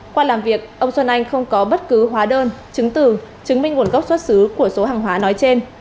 qua làm việc ông xuân anh không có bất cứ hóa đơn chứng từ chứng minh nguồn gốc xuất xứ của số hàng hóa nói trên